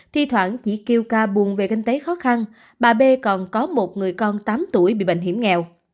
thi thoảng chỉ kêu ca buồn về kinh tế khó khăn bà b còn có một người con tám tuổi bị bệnh hiểm nghèo